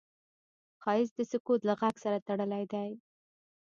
ښایست د سکوت له غږ سره تړلی دی